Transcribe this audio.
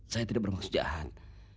saya tidak bermaksud jahat